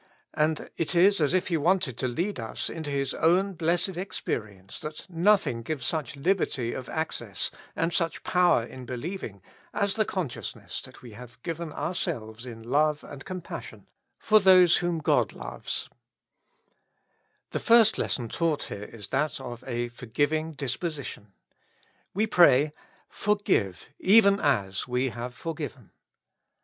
And it is as if He wanted to lead us into His own blessed experience that nothing gives such liberty of access and such power in believing as the consciousness that we have given ourselves in love and compassion, for those whom God loves. Ill With Christ in the School of Prayer. The first lesson taught here is that of a forgiving disposition. We pray, "Forgive, even as we have forgiven."